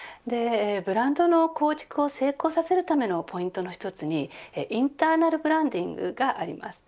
ブランドの構築を成功させるためのポイントの一つにインターナル・ブランディングがあります。